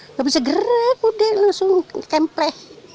nggak bisa gerak udah langsung temple